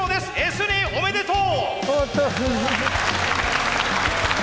Ｓニーおめでとう！